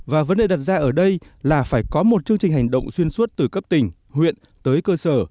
và vấn đề đặt ra ở đây là phải có một chương trình hành động xuyên suốt từ cấp tỉnh huyện tới cơ sở